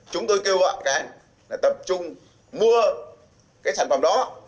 chúng tôi kêu gọi các anh là tập trung mua cái sản phẩm đó